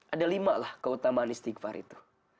ada limalah keutamaan istighfar itu